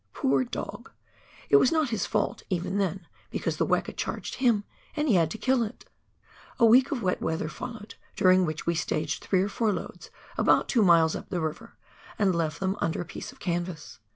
Poor dog ! It was not his fault even then, because the weka charged him and he had to kill it ! A week of wet weather followed during which we staged three or four loads about two miles up the river, and left them under a piece of canvas.